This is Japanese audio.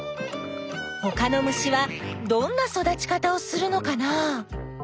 ほかの虫はどんな育ち方をするのかな？